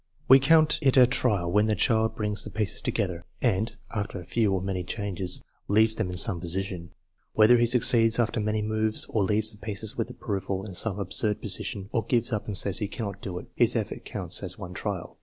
We count it a trial when the child brings the pieces together and (after few or many changes) leaves them in some position. Whether he succeeds after many moves, or leaves the pieces with approval in some absurd position, or gives up and says he cannot do it, his effort counts as one trial.